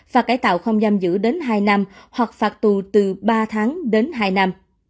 và cải tạo không giam giữ đến hai năm hoặc phạt tù từ ba tháng đến hai năm